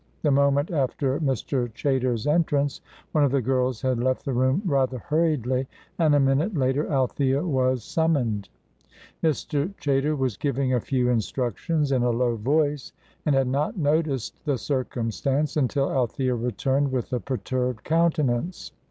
The moment after Mr. Chaytor's entrance one of the girls had left the room rather hurriedly, and a minute later Althea was summoned. Mr. Chaytor was giving a few instructions in a low voice, and had not noticed the circumstance until Althea returned with a perturbed countenance.